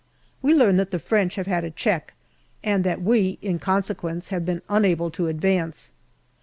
We learn that the French have had a check, and that we in conse quence have been unable to advance.